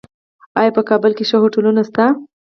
آیا په کابل کې ښه هوټلونه شته؟